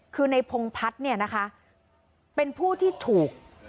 คือในพงพัฒน์เนี่ยนะคะเป็นผู้ที่ถูก